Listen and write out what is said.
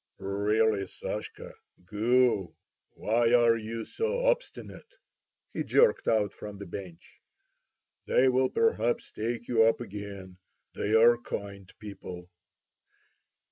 "Really, Sashka, go. Why are you so obstinate?" he jerked out from the bench. "They will perhaps take you up again. They are kind people."